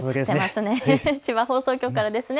千葉放送局からですね。